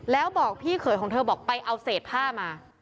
แล้วบอกพี่เขยของเธอบอกไปเอาเศษผ้ามา